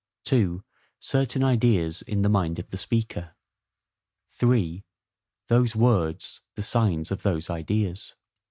(2) Certain ideas in the mind of the speaker. (3) Those words the signs of those ideas.